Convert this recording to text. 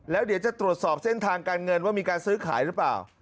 แล้วเดี๋ยวจะตรวจสอบเส้นทางการเงินว่ามีการซื้อขายหรือเปล่า